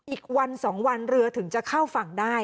อีกวัน๒วันเรือถึงจะเข้าฝั่งได้